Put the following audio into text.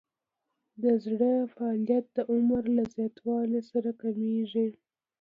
د زړه فعالیت د عمر له زیاتوالي سره کمیږي.